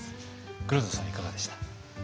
黒田さんはいかがでした？